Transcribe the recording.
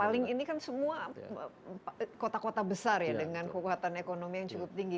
paling ini kan semua kota kota besar ya dengan kekuatan ekonomi yang cukup tinggi